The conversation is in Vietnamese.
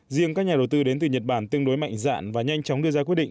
riêng các nhà đầu tư đến từ nhật bản tương đối mạnh dạn và nhanh chóng đưa ra quyết định